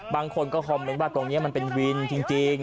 บางคนก็คอมเมนต์ว่าตรงนี้มันเป็นวินจริง